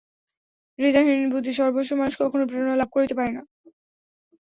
হৃদয়হীন বুদ্ধিসর্বস্ব মানুষ কখনও প্রেরণা লাভ করিতে পারে না।